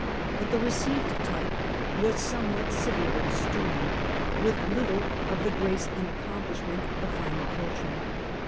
But the received type was somewhat severe and stern, with little of the grace and accomplishment of finer culture.